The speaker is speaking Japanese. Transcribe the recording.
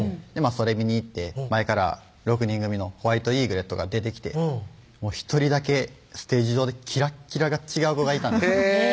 それ見に行って前から６人組のＷＴ☆Ｅｇｒｅｔが出てきて１人だけステージ上でキラッキラが違う子がいたんです